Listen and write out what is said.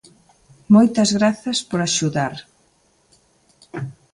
Moitas grazas por axudar.